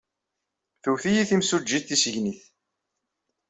Twet-iyi temsujjit tissegnit.